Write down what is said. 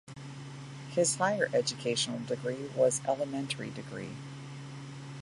His higher educational degree was elementary degree.